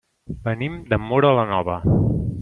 Venim de Móra la Nova.